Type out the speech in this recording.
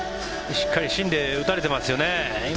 しっかり芯で打たれてますよね。